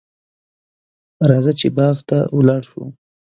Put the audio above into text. راځه چې باغ ته ولاړ شو.